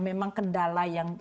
memang kendala yang